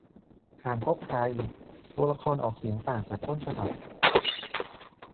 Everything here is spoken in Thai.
สามก๊กไทย ตัวละครออกเสียงต่างจากต้นฉบับ